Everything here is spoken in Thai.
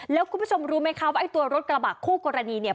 แล้วคุณผู้ชมรู้ไหมคะว่าไอ้ตัวรถกระบะคู่กรณีเนี่ย